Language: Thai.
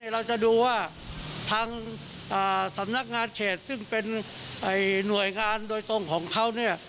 เราจะดูว่าทางสำนักงานเขตซึ่งเป็นหน่วยงานโดยตรงของเขาเนี่ย